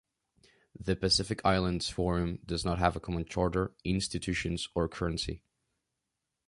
The Pacific Islands Forum does not have a common charter, institutions or currency.